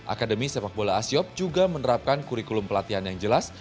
akademi sepak bola asiop juga menerapkan kurikulum pelatihan yang jelas